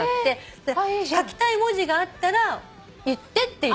書きたい文字があったら言ってっていつも。